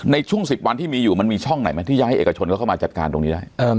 ในช่วง๑๐วันที่มีอยู่มันมีช่องไหนไหมที่จะให้เอกชนเขาเข้ามาจัดการตรงนี้ได้